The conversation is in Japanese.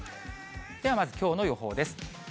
では、まず、きょうの予報です。